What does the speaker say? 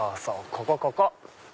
ここここ！